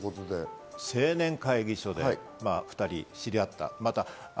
青年会議所で２人、知り合った。